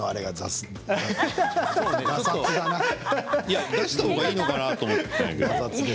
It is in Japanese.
崩したほうがいいのかなと思って。